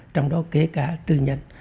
trong đó kể cả tư nhân